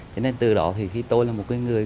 cho nên từ đó thì tôi là một người